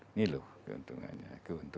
ini loh keuntungannya